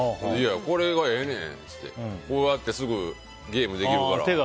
これがええねんっつってこうやってすぐゲームできるから。